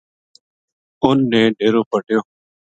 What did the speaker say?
اُنھ نے ڈیرو پٹیو